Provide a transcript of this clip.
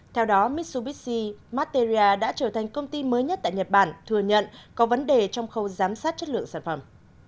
theo đó mitsubisi matteria đã trở thành công ty mới nhất tại nhật bản thừa nhận có vấn đề trong khâu giám sát chất lượng sản phẩm